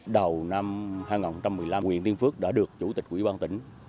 đầu năm hai nghìn một mươi năm nguyễn tiên phước đã được chủ tịch quỹ ban tỉnh